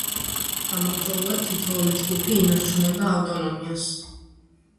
ამავდროულად თითოეული ჯგუფი ინარჩუნებდა ავტონომიას.